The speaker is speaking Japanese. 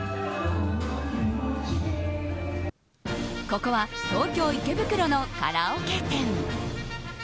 ここは東京・池袋のカラオケ店。